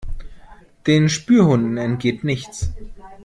Den Spürhunden entgeht nichts.